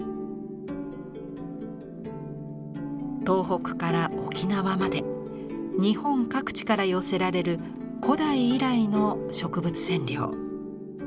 東北から沖縄まで日本各地から寄せられる古代以来の植物染料。